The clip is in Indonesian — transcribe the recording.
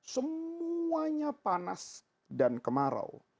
semuanya panas dan kemarau